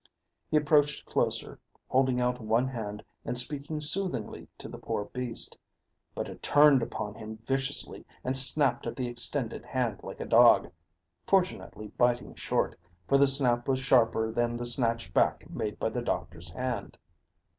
He approached closer, holding out one hand and speaking soothingly to the poor beast; but it turned upon him viciously and snapped at the extended hand like a dog, fortunately biting short, for the snap was sharper than the snatch back made by the doctor's hand.